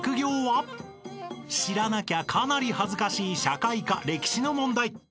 ［知らなきゃかなり恥ずかしい社会科歴史の問題］